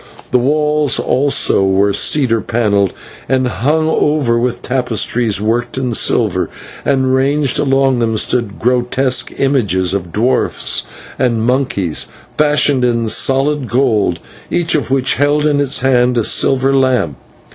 The walls also were cedar panelled, and hung over with tapestries worked in silver, and ranged along them stood grotesque images of dwarfs and monkeys, fashioned in solid gold, each of which held in its hand a silver lamp.